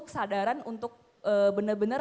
kesadaran untuk bener bener